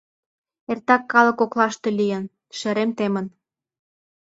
— Эртак калык коклаште лийын, шерем темын.